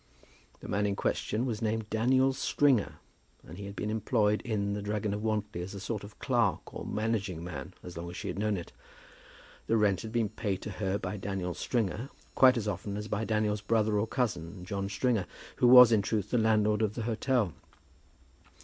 The man in question was named Daniel Stringer, and he had been employed in "The Dragon of Wantly," as a sort of clerk or managing man, as long as she had known it. The rent had been paid to her by Daniel Stringer quite as often as by Daniel's brother or cousin, John Stringer, who was, in truth, the landlord of the hotel.